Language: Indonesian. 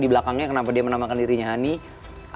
di belakangnya kenapa dia menamakan dirinya honey